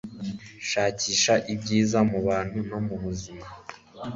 Shakisha ibyiza mubantu no mubuzima